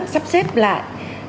sắp xếp lại